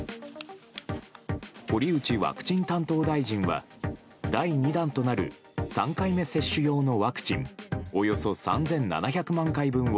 堀内ワクチン担当大臣は、第２弾となる３回目接種用のワクチン、およそ３７００万回分を、